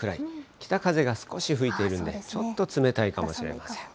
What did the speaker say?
北風が少し吹いているんで、ちょっと冷たいかもしれません。